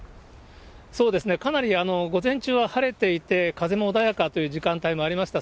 そうですね、かなり午前中は晴れていて、風も穏やかという時間帯もありました。